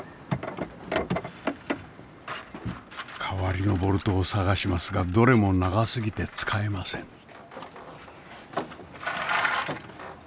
代わりのボルトを探しますがどれも長すぎて使えません。